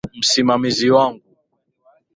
Msimamizi wangu.